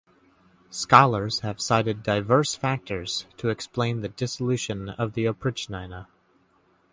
Scholars have cited diverse factors to explain the dissolution of the oprichnina.